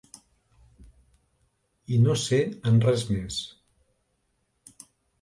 I no sé en res més.